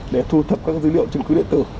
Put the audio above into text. để thu thập các dữ liệu chứng cứ điện tử